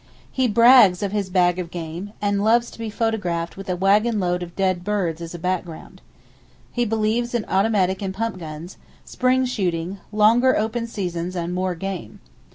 He brags of his big bags of game, and he loves to be photographed with a wagon load of dead birds as a background. He believes in automatic and pump guns, spring shooting, longer open seasons and "more game."